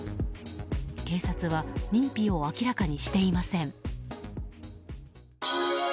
警察は認否を明らかにしていません。